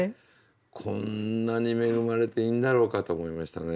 こんなに恵まれていいんだろうかと思いましたね。